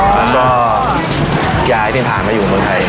แล้วก็ย้ายที่ผ่านมาอยู่เมืองไทย